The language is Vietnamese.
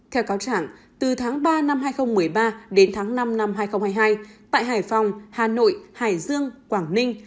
theo cáo trạng từ tháng ba năm hai nghìn một mươi ba đến tháng năm năm hai nghìn hai mươi hai tại hải phòng hà nội hải dương quảng ninh